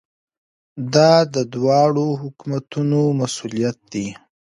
دا د دواړو حکومتونو مسؤلیت دی.